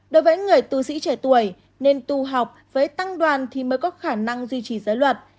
đối với người tu sĩ trẻ tuổi nên tu học với tăng đoàn thì mới có khả năng duy trì giới luật